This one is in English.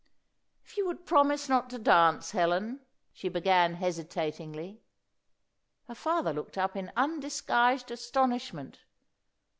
"If you would promise not to dance, Helen," she began, hesitatingly. Her father looked up in undisguised astonishment.